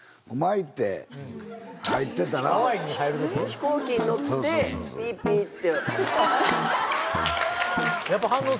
飛行機に乗ってピピって。